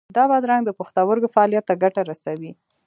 د بادرنګ د پښتورګو فعالیت ته ګټه رسوي.